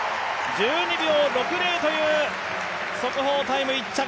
１２秒６０という、速報タイム１着。